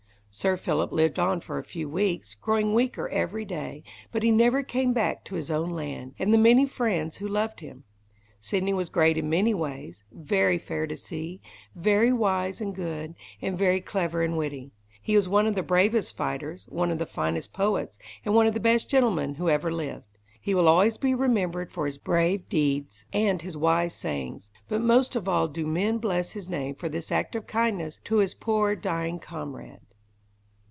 Sir Philip lived on for a few weeks, growing weaker every day, but he never came back to his own land, and the many friends who loved him. Sidney was great in many ways; very fair to see, very wise and good, and very clever and witty. He was one of the bravest fighters, one of the finest poets, and one of the best gentlemen who ever lived. He will always be remembered for his brave deeds, and his wise sayings, but most of all do men bless his name for this act of kindness to his poor dying comrade.